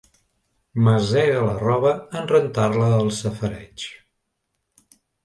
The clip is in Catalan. Masega la roba en rentar-la al safareig.